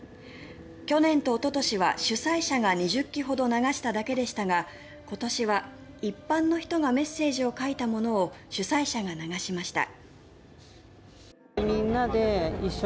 去年と一昨年は主催者が２０基ほど流しただけでしたが今年は一般の人がメッセージを書いたものを主催者が流しました。